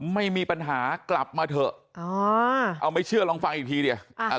ไม่มีปัญหากลับมาเถอะเอาไม่เชื่อลองฟังอีกทีเดียว